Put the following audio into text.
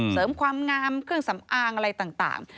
เสริมความงามเครื่องสำอางอะไรต่าง